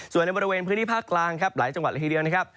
ส่วนในบริเวณพื้นที่ภาคกลางครับหลายจังหวัดละทีเดียวนะครับ